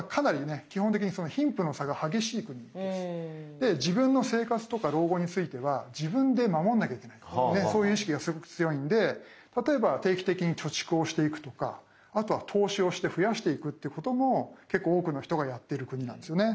で自分の生活とか老後については自分で守んなきゃいけないっていうそういう意識がすごく強いので例えば定期的に貯蓄をしていくとかあとは投資をして増やしていくってことも結構多くの人がやってる国なんですよね。